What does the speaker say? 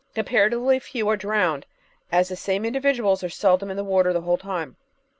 Comparatively few are drowned, as the same individuals are seldom in the water the whole time.